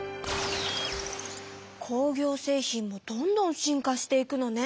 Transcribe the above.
工業製品もどんどん進化していくのね。